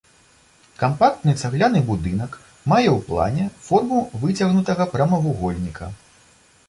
Кампактны цагляны будынак мае ў плане форму выцягнутага прамавугольніка.